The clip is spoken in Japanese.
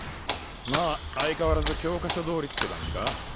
まあ相変わらず教科書通りって感じか？